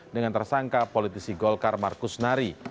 dengan tersangka politisi golkar markus nari